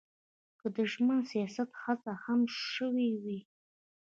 که د ژمن سیاست هڅه هم شوې وي.